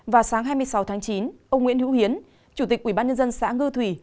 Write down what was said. vào sáng hai mươi sáu tháng chín ông nguyễn hữu hiến chủ tịch quỹ bán nhân dân xã ngư thủy